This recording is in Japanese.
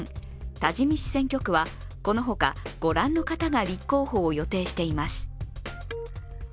多治見市選挙区はこの他、ご覧の方が立候補を予定しています。